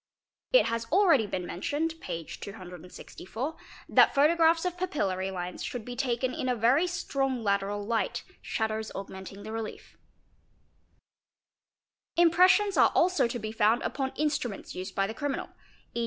It has already been mentioned (page 264) that photographs of papillary lines should be taken in a very strong lateral light, shadows augmenting the relief. 582 TRACES OF BLOOD Impressions are also to be found upon instruments used by the crimi nal, e.